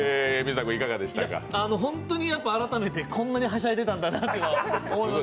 本当に改めてこんなにはしゃいでたんだなと思いました。